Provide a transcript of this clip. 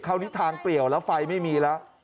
คราวนี้ทางเปลี่ยวแล้วไฟไม่มีแล้ว